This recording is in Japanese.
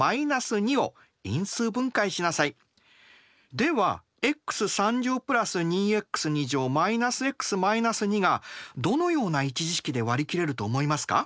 ではｘ＋２ｘ−ｘ−２がどのような１次式でわり切れると思いますか？